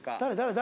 誰？